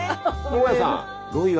大家さん